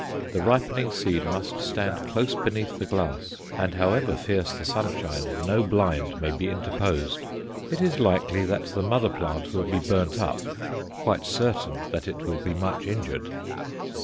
The ripening seed must stand close beneath the glass, and however fierce the sunshine no blind may be interposed. It is likely that the mother plant will be burnt up quite certain that it will be much injured.